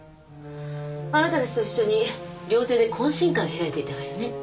あなたたちと一緒に料亭で懇親会を開いていたわよね。